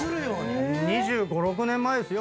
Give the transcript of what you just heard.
２５２６年前ですよ